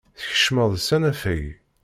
Tkeccmeḍ s anafag.